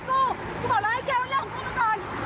กูบอกแล้วให้แกมันอยู่ของกูก่อน